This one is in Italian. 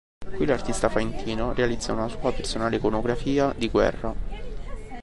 Qui l’artista faentino realizza una sua personale iconografia di guerra.